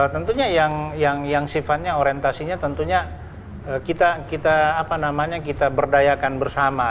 tentunya yang sifatnya orientasinya tentunya kita berdayakan bersama